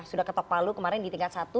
sudah ketopalu kemarin di tingkat satu